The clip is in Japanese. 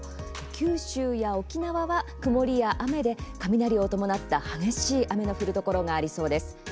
九州や沖縄は曇りや雨で雷を伴った激しい雨の降るところがありそうです。